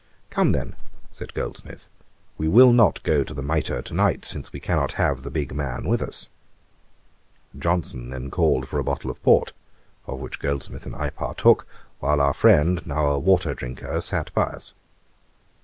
'Come then, (said Goldsmith,) we will not go to the Mitre to night, since we cannot have the big man with us.' Johnson then called for a bottle of port, of which Goldsmith and I partook, while our friend, now a water drinker, sat by us.